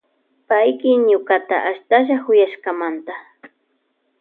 Payki ñukata ashtalla kuyashkamanta.